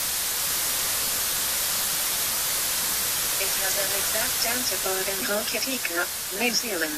It has an exact antipode in Hokitika, New Zealand.